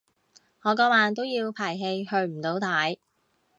我嗰晚都要排戲去唔到睇